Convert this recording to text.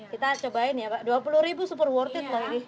kita cobain ya pak rp dua puluh super worth it lah ini